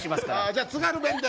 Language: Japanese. じゃあ津軽弁で。